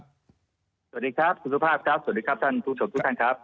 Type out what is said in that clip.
สวัสดีครับคุณสุภาพครับสวัสดีครับท่านผู้ชมทุกท่านครับ